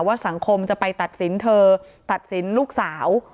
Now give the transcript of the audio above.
สังคมจะไปตัดสินเธอตัดสินลูกสาว